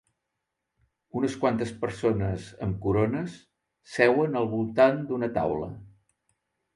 Unes quantes persones amb corones seuen al voltant d'una taula.